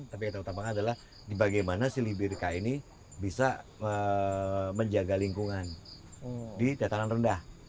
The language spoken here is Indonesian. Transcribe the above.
tapi yang kita utamakan adalah bagaimana si libka ini bisa menjaga lingkungan di dataran rendah